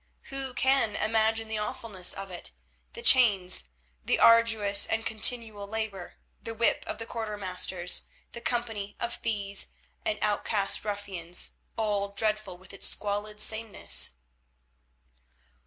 Who can imagine the awfulness of it—the chains, the arduous and continual labour, the whip of the quarter masters, the company of thieves and outcast ruffians, all dreadful in its squalid sameness?